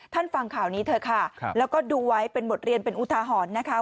ฟังข่าวนี้เถอะค่ะแล้วก็ดูไว้เป็นบทเรียนเป็นอุทาหรณ์นะคะ